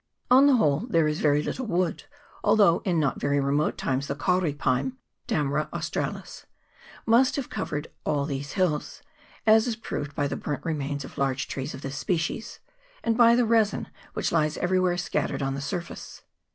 On the whole there is very little wood, although in not very remote times the kauri pine (Dammara australis) must have covered all these hills, as is proved by the burnt remains of large trees of this species, and by the resin which lies everywhere scattered on the sur face.